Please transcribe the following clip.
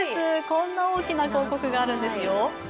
こんな大きな広告があるんですよ。